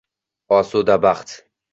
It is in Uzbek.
Osuda baxt